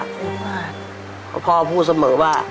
เพราะว่าพ่อพูดเสมอว่า